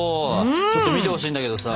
ちょっと見てほしいんだけどさ。